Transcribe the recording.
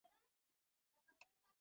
ملګري یې تندی ترېو کړ